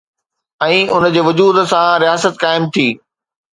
۽ ان جي وجود سان رياست قائم ٿي.